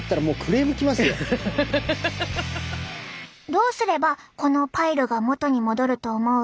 どうすればこのパイルが元に戻ると思う？